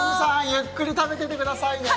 ゆっくり食べててくださいね。